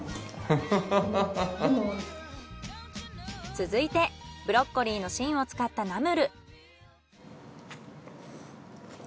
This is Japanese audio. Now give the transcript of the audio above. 続いてブロッコリーの芯を使ったナムル。